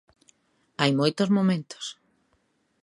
Hai moitos momentos.